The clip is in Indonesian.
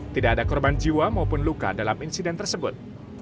tidak ada korban jiwa maupun luka dalam insiden tersebut